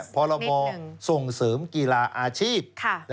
พรบส่งเสริมกีฬาอาชีพ